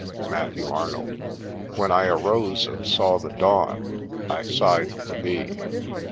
— Matthew Arnold. " When I arose and saw the dawn, I sighed for thee